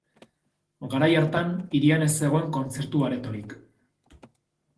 Garai hartan, hirian ez zegoen kontzertu aretorik.